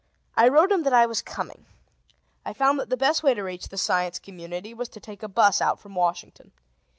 I wrote him that I was coming. I found that the best way to reach the Science Community was to take a bus out from Washington.